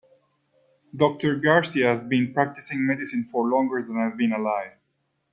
Doctor Garcia has been practicing medicine for longer than I have been alive.